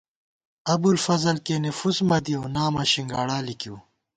ابُوالفضل کېنے فُس مہ دِیَؤ ، نامہ شِنگاڑا لِکِیؤ